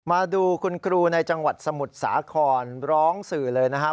มาดูคุณครูในจังหวัดสมุทรสาครร้องสื่อเลยนะครับ